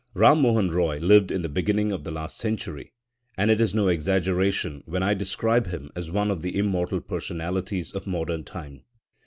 Ram Mohan Roy lived in the beginning of the last century, and it is no exaggeration when I describe him as one of the immortal personalities of modern time.